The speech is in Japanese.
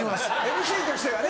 ＭＣとしてはね。